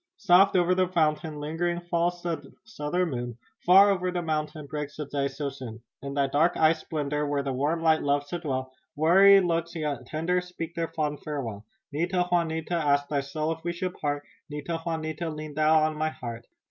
"Soft o'er the fountain, ling'ring falls the Southern moon Far o'er the mountain, breaks the day too soon. In thy dark eyes' splendor, where the warm light loves to dwell, Weary looks, yet tender, speak their fond farewell. Nita! Juanita! Ask thy soul if we should part, Nita! Juanita! Lean thou on my heart.